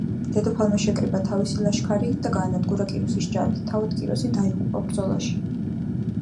დედოფალმა შეკრიბა თავისი ლაშქარი და გაანადგურა კიროსის ჯარი, თავად კიროსი დაიღუპა ბრძოლაში.